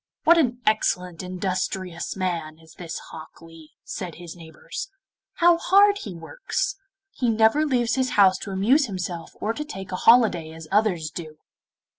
'What an excellent industrious man is this Hok Lee!' said his neighbours; 'how hard he works: he never leaves his house to amuse himself or to take a holiday as others do!